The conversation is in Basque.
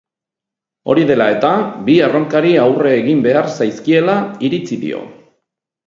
Hori dela eta, bi erronkari aurre egin behar zaizkiela iritzi dio.